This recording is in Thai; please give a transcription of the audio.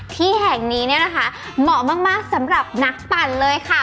ที่แห่งนี้เนี่ยนะคะเหมาะมากสำหรับนักปั่นเลยค่ะ